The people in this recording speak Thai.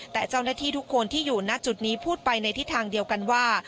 แต่เจ้าหน้าที่ทุกคนที่อยู่ณจุดนี้พูดไปในทิศทางเดียวกันว่า